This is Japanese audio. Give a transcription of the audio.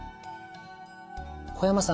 小山さん